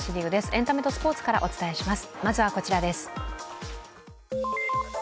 エンタメとスポーツからお伝えします。